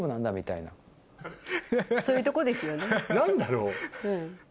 そういうとこですよね。